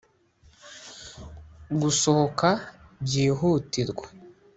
gusohoka byihutirwa